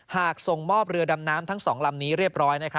หากส่งมอบเรือดำน้ำทั้ง๒ลำนี้เรียบร้อย